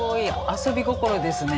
遊び心ですね。